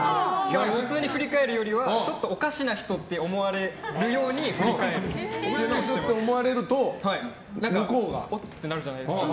普通に振り返るよりはちょっとおかしな人って思われるようにそういうふうに思われるとおってなるじゃないですか。